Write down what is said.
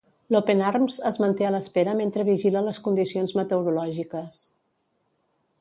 L'Open Arms es manté a l'espera mentre vigila les condicions meteorològiques.